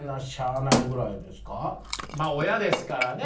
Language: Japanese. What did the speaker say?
まあ親ですからね。